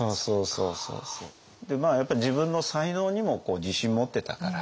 やっぱり自分の才能にも自信持ってたから。